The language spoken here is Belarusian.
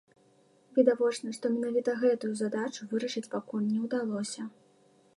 Відавочна, што менавіта гэтую задачу вырашыць пакуль не ўдалося.